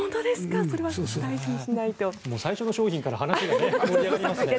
最初の商品から話が盛り上がりますね。